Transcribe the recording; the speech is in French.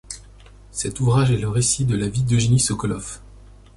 Cet ouvrage est le récit de la vie d’Evguénie Sokolov.